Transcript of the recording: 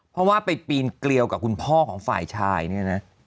เพราะว่าไปปีนเกลียวกับคุณพ่อของฝ่ายชายเนี่ยนะ